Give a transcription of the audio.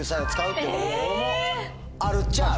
あるっちゃある。